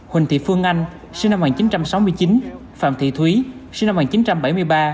huỳnh thị phương anh sinh năm một nghìn chín trăm sáu mươi chín phạm thị thúy sinh năm một nghìn chín trăm bảy mươi ba